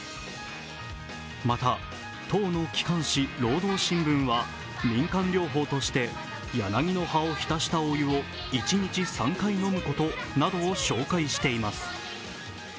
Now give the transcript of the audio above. また党の機関誌「労働新聞」は民間療法として柳の葉を浸したお湯を一日３回飲むことなどを紹介しています。